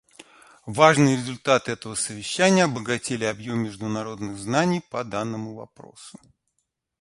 Важные результаты этого совещания обогатили объем международных знаний по данному вопросу.